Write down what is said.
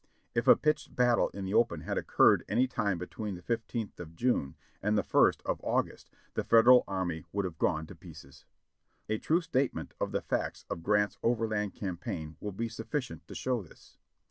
If a pitched battle in the open had occurred any time between the 15th of June and the ist of August the Federal army woukl have gone to pieces. A true statement of the facts of Grant's overland campaign will be sufificient to show this.